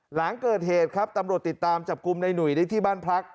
หลังเกิดเหตุครับตำรวจติดตามจับกลุ่มในหนุ่ยได้ที่บ้านพัก